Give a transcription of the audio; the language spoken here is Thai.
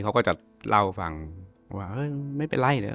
เขาก็จะเล่าฟังว่าเฮ้ยไม่เป็นไร